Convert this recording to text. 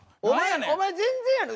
お前全然やろ。